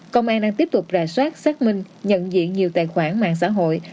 công an đang tiếp tục rà soát xác minh nhận diện nhiều tài khoản mạng xã hội